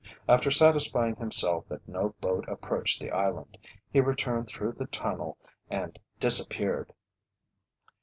After satisfying himself that no boat approached the island, he returned through the tunnel and disappeared.